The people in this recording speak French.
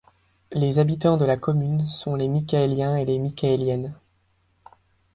Les habitants de la commune sont les Mickaëliens et les Mickaëliennes.